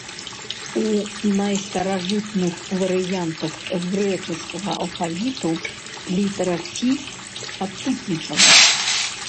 У найстаражытных варыянтах грэчаскага алфавіту літара фі адсутнічала.